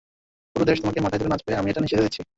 পুরো দেশ তোমাকে মাথায় তুলে নাচবে, আমি এটার নিশ্চয়তা দিচ্ছি।